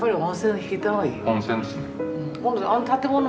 温泉ですね。